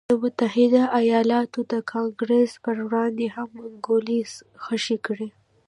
د متحده ایالتونو د کانګرېس پر ودانۍ هم منګولې خښې کړې.